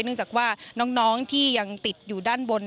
เนื่องจากว่าน้องที่ยังติดอยู่ด้านบน